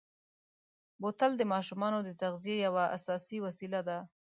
بوتل د ماشومو د تغذیې یوه اساسي وسیله ده.